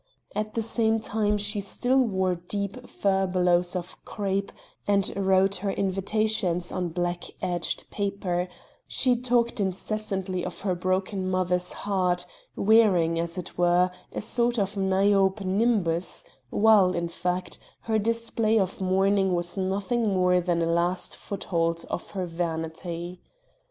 At the same time she still wore deep furbelows of crape, and wrote her invitations on black edged paper; she talked incessantly of her broken mother's heart wearing, as it were, a sort of Niobe nimbus; while, in fact, her display of mourning was nothing more than a last foothold for her vanity.